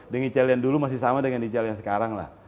dengan ical yang dulu masih sama dengan ijal yang sekarang lah